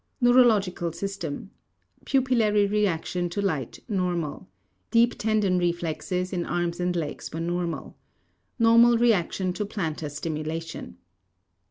NEUROLOGICAL SYSTEM: Pupillary reaction to light normal. Deep tendon reflexes in arms and legs were normal. Normal reaction to plantar stimulation.